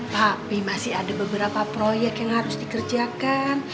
tapi masih ada beberapa proyek yang harus dikerjakan